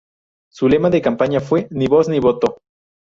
Su lema de campaña fue "Ni voz, ni voto".